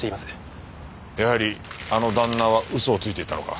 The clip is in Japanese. やはりあの旦那は嘘をついていたのか。